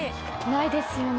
ないですよね